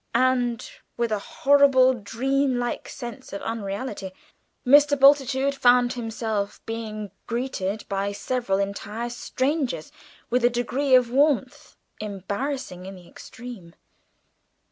And, with a horrible dream like sense of unreality, Mr. Bultitude found himself being greeted by several entire strangers with a degree of warmth embarrassing in the extreme.